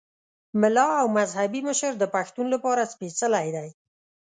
ملا او مذهبي مشر د پښتون لپاره سپېڅلی دی.